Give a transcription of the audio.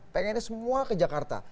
pengennya semua ke jakarta